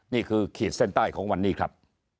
ขีดเส้นใต้ของวันนี้ครับ